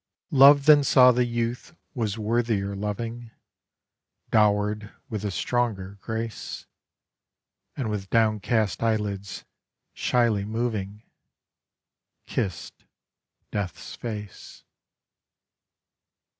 Love then saw the youth was worthier loving, Dowered with a stronger grace; And with downcast eyelids shyly moving, Kissed Death's face.